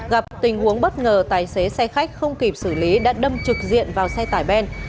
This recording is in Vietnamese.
gặp tình huống bất ngờ tài xế xe khách không kịp xử lý đã đâm trực diện vào xe tải ben